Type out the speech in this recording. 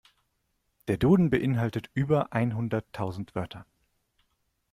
Der Duden beeinhaltet über einhunderttausend Wörter.